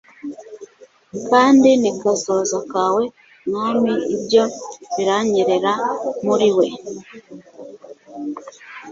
Kandi ni kazoza kawe Mwami ibyo biranyerera muri we